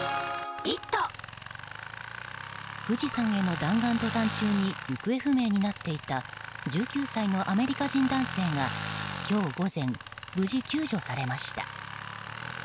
富士山への弾丸登山中に行方不明になっていた１９歳のアメリカ人男性が今日午前、無事救助されました。